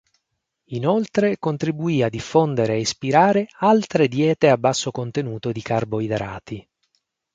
Inoltre contribuì a diffondere e ispirare altre diete a basso contenuto di carboidrati.